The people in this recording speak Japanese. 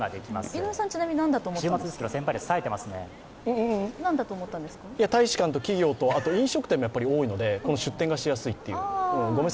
井上さん、何だと思ったんですか大使館と企業と飲食店が多いのでこの出店がしやすいという。